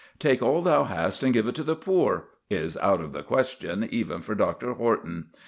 "Take all thou hast, and give it to the poor" is out of the question even for Dr. Horton.